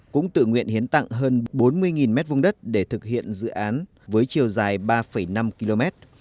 cũng tự nguyện hiến tặng hơn bốn mươi m hai đất để thực hiện dự án với chiều dài ba năm km